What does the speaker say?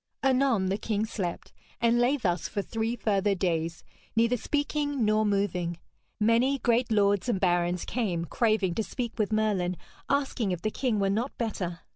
Anon the king slept, and lay thus for three further days, neither speaking nor moving. Many great lords and barons came craving to speak with Merlin, asking if the king were not better.